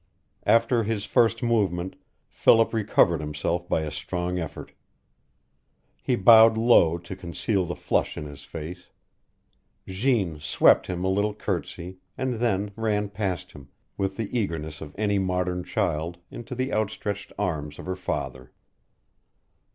After his first movement, Philip recovered himself by a strong effort. He bowed low to conceal the flush in his face. Jeanne swept him a little courtesy, and then ran past him, with the eagerness of any modern child, into the outstretched arms of her father.